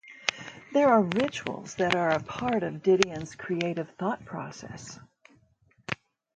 There are rituals that are a part of Didion's creative thought process.